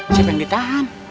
siapa yang ditahan